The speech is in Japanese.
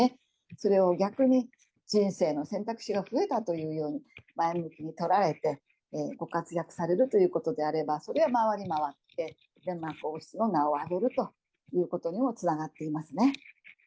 それを逆に人生の選択肢が増えたというように前向きに捉えて、ご活躍されるということであれば、それが回り回って、デンマーク王室の名を上げるということにもつながっていますね。